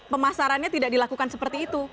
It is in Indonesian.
pemasarannya tidak dilakukan seperti itu